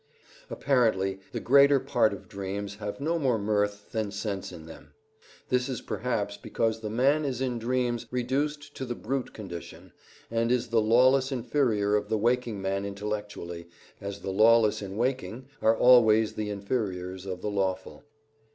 V Apparently the greater part of dreams have no more mirth than sense in them. This is perhaps because the man is in dreams reduced to the brute condition, and is the lawless inferior of the waking man intellectually, as the lawless in waking are always the inferiors of the lawful.